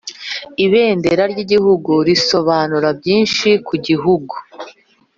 Ibendera ryigihugu risobanuye byinshi kugihugu